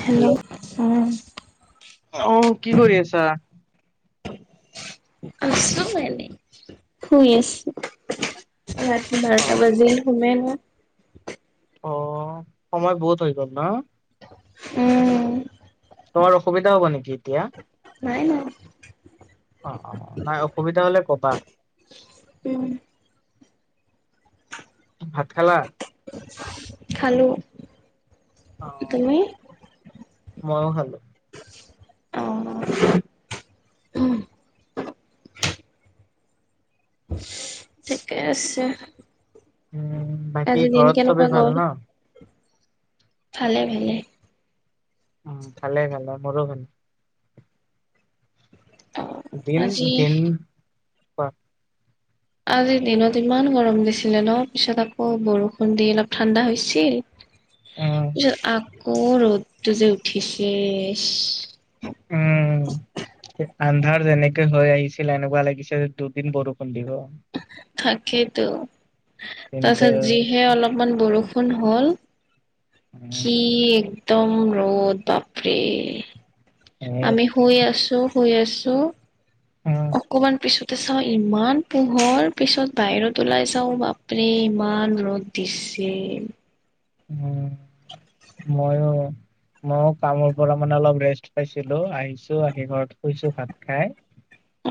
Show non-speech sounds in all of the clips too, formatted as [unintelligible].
Hello অ। আহ কি কৰি আছা? আছো এনে শুই আছো। ৰাতি বাৰৰ্তা অ', অ', বাজিল সুমেই মই। অ' সময় বহুত হৈ গ'ল না। উম। তোমাৰ অসুবিধা হ'ব নেকি এতিয়া? নাই নাই। অ' অ' নাই অসুবিধা হ'লে কবা। উম। ভাত খালা? খালোঁ। অ' মই য়ো খালো। আহ। ঠিকে আছে। উম, বাকী আজি দিন ঘৰত চবে কেনেকুৱা ভাল গ'ল, ন? ভালে ভালে। উম, খালে খালে মৰু ভাল। অ দিন আজি দিন পা আজি দিনত ইমান গৰম দিছিলে ন পিছত আকৌ বৰষুণ দি অলপ ঠাণ্ডা হৈছিল। উম, পিছত আকৌ ৰ'দটো যে উঠিছে। উম। [unintelligible] আন্ধাৰ যেনেকে হৈ আহিছিল এনেকুৱা লাগিছিল দুদিন বৰষুণ দিব। থাকেইতো কিন্তু তাৰছত যিহে অলপমান বৰষুণ হ'ল। উম, কি একদম ৰ'দ বাপৰে। এ আমি শুই আছো শুই আছো উম, অকমান পিছত ত চা ইমান পোহৰ পিছত বাহিৰত ওলাই চাও বাপৰে ইমান ৰ'দ দিছে। ছে। উম, মইয়ো। মই কামৰ পৰা মানে অলপ ৰেষ্ট পাইছিলো আহিছো আহি ঘৰত শুইছো ভাত খাই।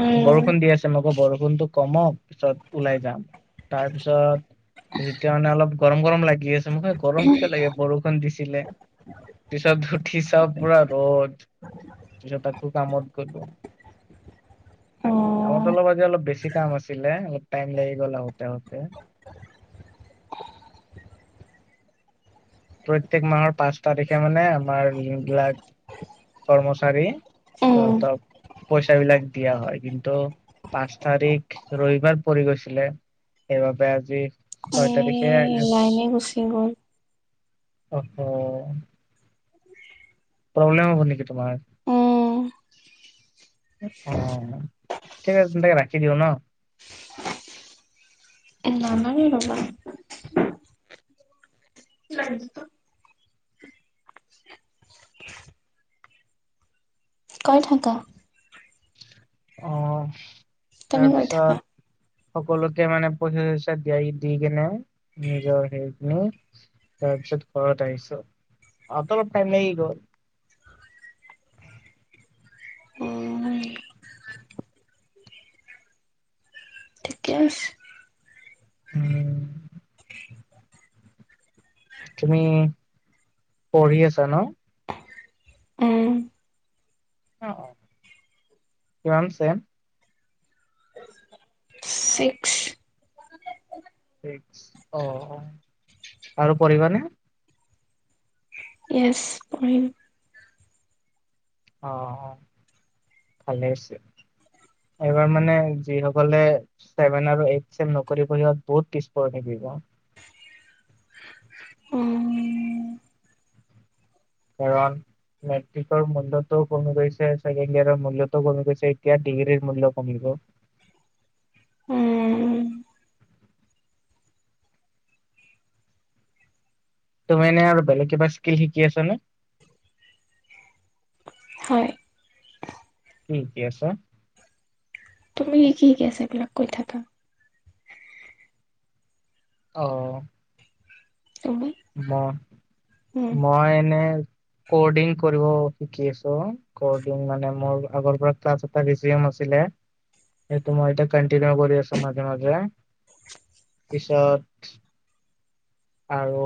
উম বৰষুণ দি আছে লগত বৰষুণতোক কমক পিছত ওলাই যাম তাৰপিছত যেতিয়া মানে অলপ গৰম গৰম লাগি আছে। মই গৰম কিয় লাগে বৰষুণ দিছিলে। পিছত উঠিছাও পুৰা ৰ'দ পিছত আকৌ কামত গলো। কামত অলপ আজি অলপ বেছি কাম আছিলে। টাইম লাগি গ'ল আহোতে আহোতে। প্ৰত্যেক মাহৰ পাঁচ তাৰিখে মানে আমাৰ যি বিলাক কৰ্মচাৰী। উম। সিহঁতক। পইচা বিলাক দিয়া হয়। কিন্তু পাঁচ তাৰিখ ৰবিবাৰ পৰি গৈছিলে। এইবাবে আজি। এ, ছয় তাৰিখে লাইনে গুচি গ'ল। অহ, হ প্ৰব্লেম হব, নেকি তোমাৰ। অ', ঠিক আছে তে, ৰাখি দিওঁ ন। নালাগে ৰ'বা। ৰ'বা। কয়, থাকা। আহ', তুমি কৈ থাকা। তাৰপিছত সকলোকে মানে পইচা-চইচা দিয়াই দি কেনে নিজৰ হেৰিখিনি তাৰপিছত তাৰ পিছত ঘৰত আহিছো, আহোত অলপ টাইম লাগি গ'ল। উম ঠিকে আছে উম', তুমি পঢ়ি আছা ন। উম অ', কিমান চেম। ছিক্স। অ', আৰু পঢ়িবা নে। ইয়েছ, পঢ়িম। অ', ভালেই হৈছে। এইবাৰ মানে যিসকলে ছেভেন আৰু এইট চম নকৰি পঢ়াত বহুত পিছপ শিকিব। উম কাৰণ মেট্ৰিকৰ মূল্যতো কমি গৈছে ছেকেণ্ড ইয়োৰৰ মূল্যতো কমি গৈছে এতিয়া ডিগ্ৰীৰ মূল্য কমি গৈছে। [inaudible] উম। তুমি এনে আৰু বেলেগ কিবা স্কিল শিকি আছ নে। হয়। কি শিকি‌, আছে। তুমি কি কি শিকি আছা, এইবিলাক কৈ থাকা। অ', তুমি মই, উম। মই এনে ক্ৰদিং কৰিব শিকি আছো, ক্ৰদিং মানে মোৰ আগৰ পৰা ক্লাছ এটা হৈছে আছিলে, মই এতিয়া কন্টিনিউ কৰি আছো মাজে মাজে। পিছত আৰু।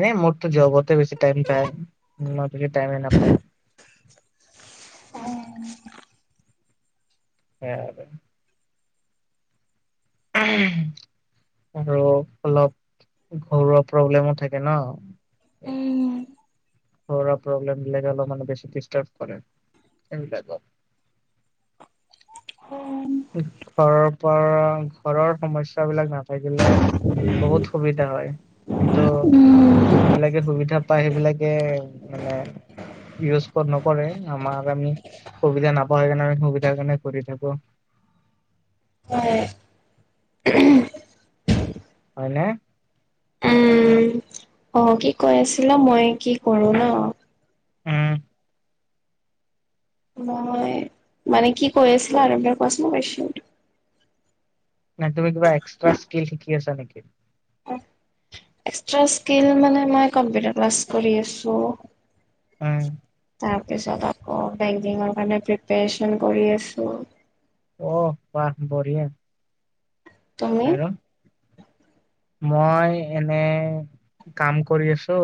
এনেই মোৰতো জবতে বেছি টাইম যায় মই বেছি টাইমে নাপাওঁ। সেয়াই আৰু। উম', আৰু অলপ ঘৰুৱা প্ৰব্লেমো থাকে ন উম ঘৰৰ, প্ৰব্লেমিল বিলাকে মানে বেছি দিচটাব কৰে এইবিলাকত। [unintelligible] ঘৰৰ পৰা ঘৰৰ সমস্্যা বিলাক নাথাকিলে। বহুত সুবিধা হয় কিন্তু। উম যবিলাকে সুবিধা পায় সেইবিলাকে মানে। ইউজ নকৰে আমাক আমি সুবিধা নাপ স কাৰণে আমি সুবিধাৰ কাৰণে কৰি থাকো। [unintelligible] হয়নে। অ', কি কৈ আছিলা মই কি কৰো ন। উম', মই মানে কি কৈ আছিলো আৰম কোৱাচোন কুয়েচনতো ন তুমি কিবা এক্সট্ৰা স্কিল শিকি আছা নেকি এস্টা স্কিল মানে মই কম্পিউটাৰ ক্লাছ কৰি আছো উম তাৰপিছত আকৌ বেংকিঙৰ কাৰণে প্ৰিপৰেচন কৰি আছো অ বাহ বঢ়িয়া তুমি আৰু মই এনে কাম কৰি আছো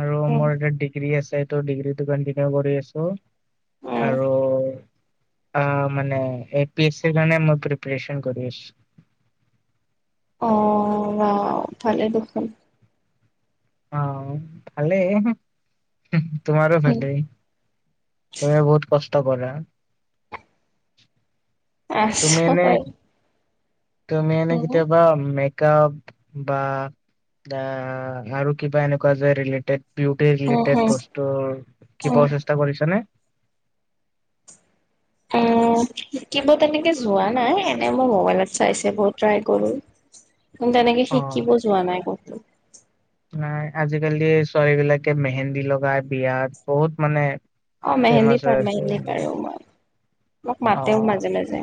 আৰু উম মোৰ এাত ডিগ্ৰী আছে ত ডিগ্ৰী টো কন্টিনিউ কৰি আছো উম। আৰু আহ মানে এ পি এছিৰ কাৰণে মই প্ৰিপচন কৰি আছো অ বাও ভালে দেখোন অ ভালেই তোমাৰো ভালেই তুমি বহুত কষ্ট কৰা তুমি আছো এনে বাৰু তুমি এনে কেতিয়াবা ম বা আৰু কিবা এনেকুৱা যে ৰিলেটেড বিউটি উম হু ৰিলেটেড বস্তু উম, কিবা চেষ্টা কৰিছা নে উ শিকিব তেনেকে যোৱা নাই এনে মই মবাইলত চাই চাই বহুত ট্ৰাই কৰো তেনেকে শিকিব যোৱা নাই কতো ন আজিকালি ছোৱালী বিলাকে মেহেন্দী লগাই বিয়াত বহুত মানে অ মেহেন্দী ফেমাচ হৈ পাৰু আছে। মেহেন্দী পাৰু মই মোক অ মাতেও মাজে মাজে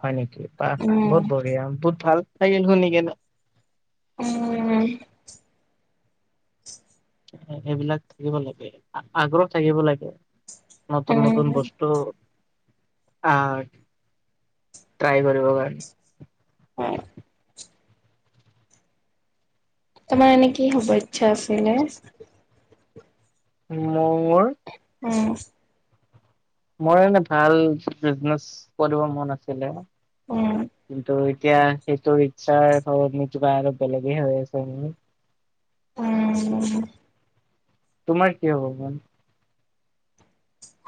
হয় নেকি বা উম। বহুত বঢ়িয়া বহুত ভাল লাগিল শুনি কিনে উম সেইবিলাক শিকিব লাগে আগ্ৰহ থাকিব লাগে নতুন উম, নতুন বস্তু আহ ট্ৰাই কৰিব কাৰণে অ তোমাৰ এনে কি হ'ব ইচ্ছা আছিলে মোৰ উম মোৰ এনে ভাল বিজনেচ কৰিব মন আছিলে উম, কিন্তু এতিয়া সেইটো ইচ্ছা আৰু বেলেগে হৈ আছে ন উম তোমাৰ কি হ'ব ম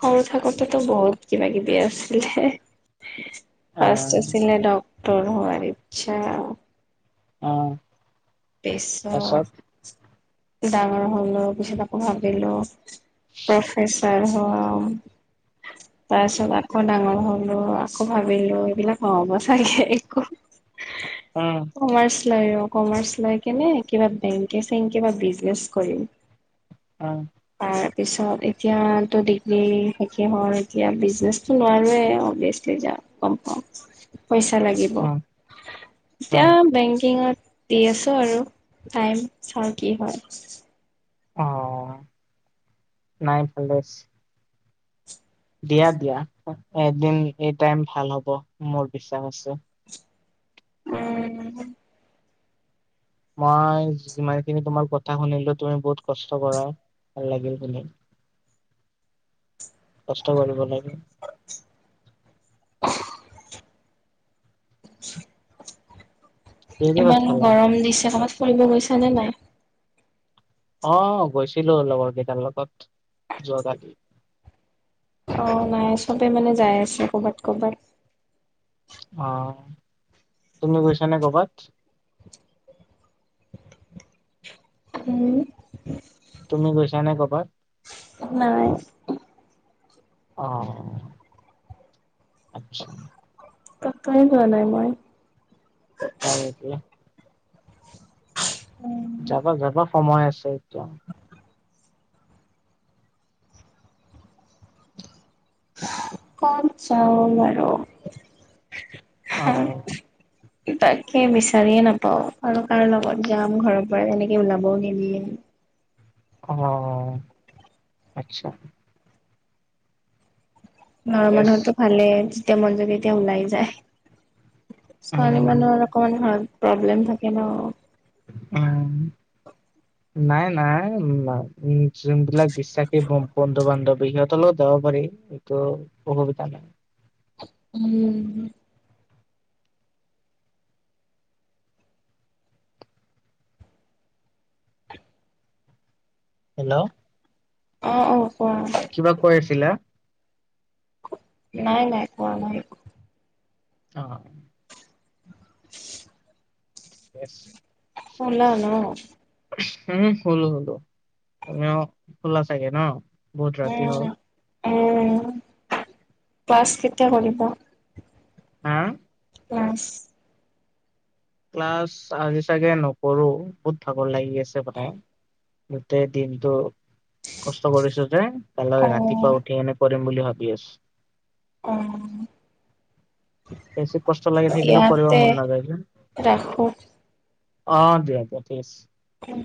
সৰু থাকোতেতো বহুত কিবা কিবি আছিলে ফাস্ট আহ আছিলে ডক্টৰ হোৱাৰ ইচ্ছা অ পিছত পাছত ডাঙৰ হলো পিছত আকৌ ভাবিলো প্ৰফেচাৰ হম তাৰ পিছত আকৌ ডাঙৰ হলো আকৌ ভাবিলো এইবিলাক হ'ব চাগি একো উম কমাৰ্চ কমাৰ্চ লয় কেনে কিবা বেংক চেংক বা বিজনেচ কৰিম উম তাৰ পিছত এতিয়াতো ডিগ্ৰী শেষেই হল এতিয়া বিজনেচটো নোৱাৰোৱে বেচ যা কম পাম পইচা লাগিব উম। উম, এতিয়া বেংকিঙত দি আছো আৰু টাইম চাওঁ কি হয় অ, নাই ভালে। দিয়া, দিয়া এদিন এই টাইম ভাল হ'ব মোৰ বিশ্বাস আছো। উম। মই যিমানখিনি তোমাৰ কথা শুনিলো তুমি বহুত কষ্ট কৰা। ভাল লাগিল ম কষ্ট কৰিব লাগে। [inaudible] [inaudible] কিহেদি ভাত ইমান খালা? গৰম দিছে কোবাত ফুৰিব গৈছ নে নাই। আহ গৈছিলো লগৰ কেইটাৰ লগত যোৱ কালি। অ, নাই চবে মানে যাই আছে কৰ'বাত, কৰ'বাত। অ, তুমি গৈছ নে কৰ'বাত। উম। তুমি গৈছা নে কৰ'ৰবাত? নাই। আহ, আচ্ছা। তাক কাৰণে যোৱা নাই, মই। হয়। যাবা, যাবা, সময় আছে এতিয়া। ক'ত, চাওঁ বাৰ অ'। তাকে বিচাৰিয়ে নাপাওঁ আৰু কাৰো লগত যাম ঘৰৰ পৰা তেনেকৈ ওলাবও নিবি আহ, আচ্ছা। ঘৰৰ ঠিকে আছে। মানুহৰো ভালেই যেতিয়া মন যোগে এতিয়া ওলাই যায়। ছোৱালী উম মানুহৰ অকমান হাৰ্ট প্ৰব্লেম থাকে ন। উ, নাই, নাই উ যোন বিলাক বিশ্বাসে বন্ধু, বান্ধৱীহত যাব পাৰি এইটো অসুবিধা নাই। উম। হেল্ল'? অ', অ'। কোৱা কিবা কৈ আছিলা? নাই, নাই কোৱা, নাই কোৱা। অ'। [inaudible] বছ শল ন উম, হ'ল, হলো এ খোলা চাগে ন বহুত ৰাতি হ'ল। উম উম, ক্লাছ কেতিয়া কৰিব। হা? ক্লাছ ক্লাছ আজি চাগে নকৰো বহুত ভাগৰ লাগি আছে মানে। গোটেই দিনটো। কষ্ট কৰিছো যে অ তালৈ ৰাতিপুৱা উঠি এনে কৰিম বুলি ভাবি আছো। [inaudible] অ বেছি কষ্ট লাগি থাকিলেও কৰিব মন নযায় যে। অহ অ, দিয়া, দিয়া ঠিক আছে। উম।